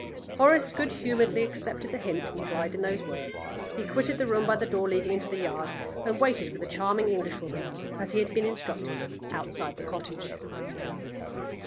Horace good humoredly accepted the hint implied in those words. He quitted the room by the door leading into the yard, and waited for the charming Englishwoman, as he had been instructed, outside the cottage.